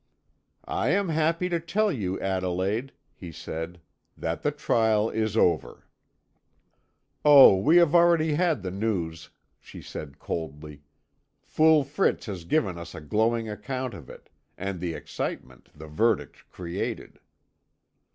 "I am happy to tell you, Adelaide," he said, "that the trial is over." "Oh, we have already had the news," she said coldly. "Fool Fritz has given us a glowing account of it, and the excitement the verdict created."